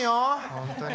本当に。